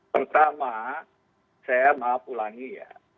pertama saya maaf ulangi ya